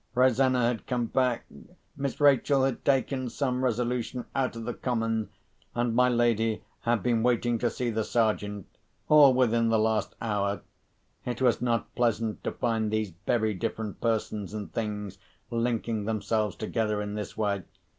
Rosanna had come back; Miss Rachel had taken some resolution out of the common; and my lady had been waiting to see the Sergeant—all within the last hour! It was not pleasant to find these very different persons and things linking themselves together in this way.